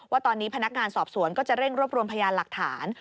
ว่าตอนนี้พนักงานสอบสวนก็จะเร่งรวบรวมพยานหลักฐาน